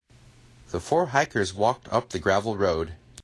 The four hikers walked up the gravel road.